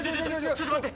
ちょっと待って！